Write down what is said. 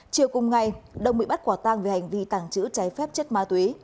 chiều cùng ngày đông bị bắt quả tang về hành vi tàng trữ trái phép chất ma túy